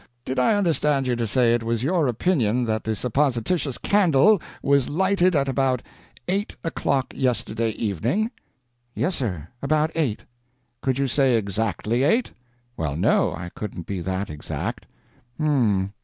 Did I understand you to say it was your opinion that the supposititious candle was lighted at about eight o'clock yesterday evening?" "Yes, sir about eight." "Could you say exactly eight?" "Well, no, I couldn't be that exact." "Um.